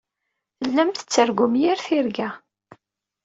Tellam tettargum yir tirga.